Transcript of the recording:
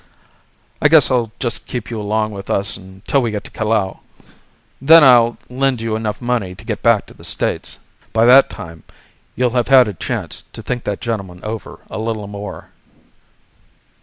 "I guess I'll just keep you along with us until we get to Callao. Then I'll lend you enough money to get back to the States. By that time you'll have had a chance to think that gentleman over a little more."